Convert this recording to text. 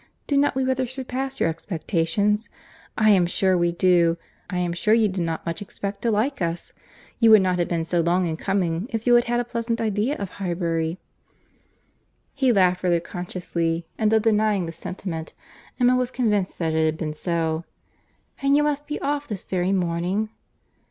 Do not we rather surpass your expectations? I am sure we do. I am sure you did not much expect to like us. You would not have been so long in coming, if you had had a pleasant idea of Highbury." He laughed rather consciously; and though denying the sentiment, Emma was convinced that it had been so. "And you must be off this very morning?"